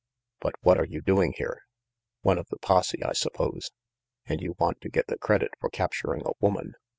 But what are you doing here? One of the posse, I suppose? And you want to get the credit for capturing a woman.